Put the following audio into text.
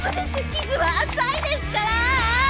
傷は浅いですからあ！